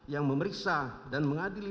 yang memeriksa dan mengadili